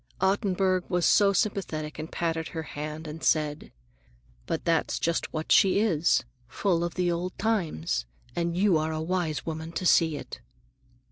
—Ottenburg was so sympathetic and patted her hand and said, "But that's just what she is, full of the old times, and you are a wise woman to see it."